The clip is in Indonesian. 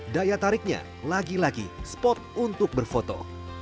daya tariknya lagi lagi spot untuk berfoto